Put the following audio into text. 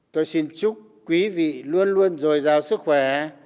tôi xin chúc quý vị luôn luôn dồi dào sức khỏe